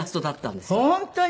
本当に！